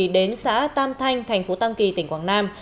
đến xã tam thanh thành phố tam kỳ tỉnh quảng nam